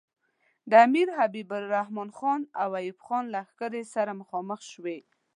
د امیر عبدالرحمن خان او ایوب خان لښکرې سره مخامخ شوې.